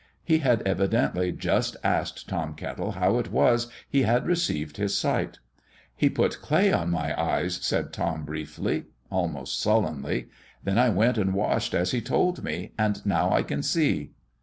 He had evidently just asked Tom Kettle how it was he had received his sight. "He put clay on my eyes," said Tom, briefly, almost sullenly. "Then I went and washed as He told me, and now I can see."